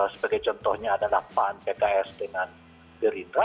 sebagai contohnya adalah pan pks dengan gerindra